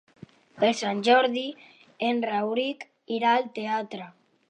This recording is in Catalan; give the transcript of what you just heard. Per Sant Jordi en Rauric irà al teatre.